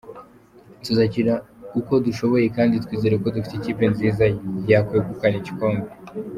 Tuzakina uko dushoboye kandi twizera ko dufite ikipe nziza yakwegukana igikombe.